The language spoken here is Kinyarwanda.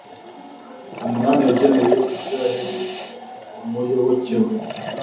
umunani yageneye Israheli umuyoboke we